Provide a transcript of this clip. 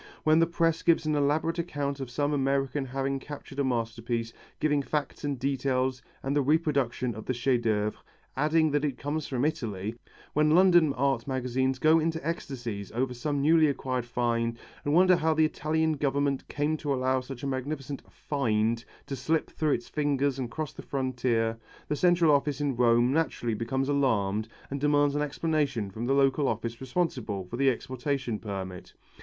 When the Press gives an elaborate account of some American having captured a masterpiece, giving facts and details and the reproduction of the chef d'œuvre, adding that it comes from Italy, when London art magazines go into ecstasies over some newly acquired find, and wonder how the Italian Government came to allow such a magnificent "find" to slip through its fingers and cross the frontier, the Central Office in Rome naturally becomes alarmed and demands an explanation from the local office responsible for the exportation permit.